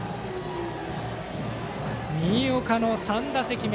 新岡の３打席目。